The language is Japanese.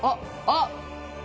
あっ。